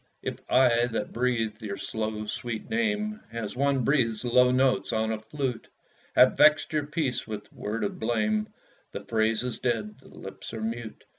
If I that breathe your slow sweet name, As one breathes low notes on a flute, Have vext your peace with word of blame, The phrase is dead the lips are mute.